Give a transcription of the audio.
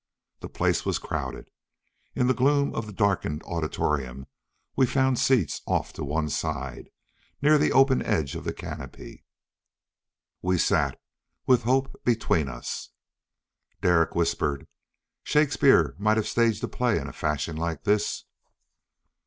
The place was crowded. In the gloom of the darkened auditorium we found seats off to one side, near the open edge of the canopy. We sat, with Hope between us. Derek whispered, "Shakespeare might have staged a play in a fashion like this."